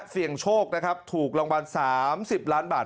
เสี่ยงโชคนะครับถูกรางวัล๓๐ล้านบาท